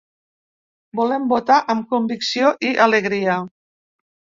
Volem votar amb convicció i alegria.